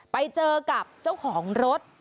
ไปเจอกับเจ้าของรถ